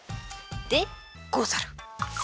でござる。